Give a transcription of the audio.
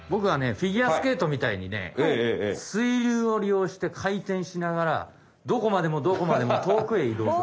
フィギュアスケートみたいにねすいりゅうをりようしてかいてんしながらどこまでもどこまでもとおくへいどうする。